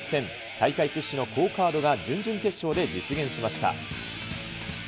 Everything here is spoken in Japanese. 大会屈指の好カードが準々決勝で実現しました。